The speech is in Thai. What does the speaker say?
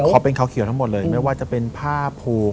ขอเป็นขาวเขียวทั้งหมดเลยไม่ว่าจะเป็นผ้าผูก